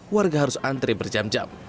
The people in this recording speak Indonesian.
warga harus antri berjam jam